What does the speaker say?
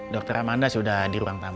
dr amanda sudah di ruang tamu